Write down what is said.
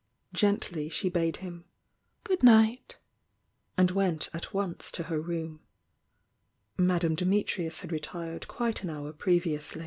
Gently she bade hun "good night" and went at once to her room. Madame Dimitrius had retired quite an hour pre viously. k 4j\ ff PF 15